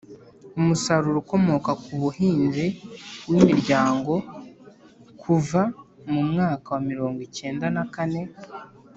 umusaruro ukomoka ku buhinzi w'imiryango kuva mu mwaka wa mirongo icyenda na kane